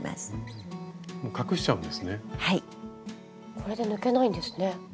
これで抜けないんですね。